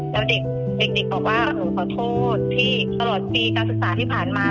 แล้วเด็กบอกว่าหนูขอโทษพี่ตลอดปีการศึกษาที่ผ่านมา